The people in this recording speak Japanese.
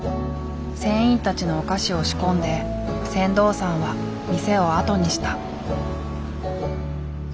船員たちのお菓子を仕込んで船頭さんは店をあとにした。